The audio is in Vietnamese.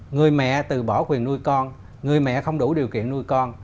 người mẹ từ bỏ quyền nuôi con người mẹ không đủ điều kiện nuôi con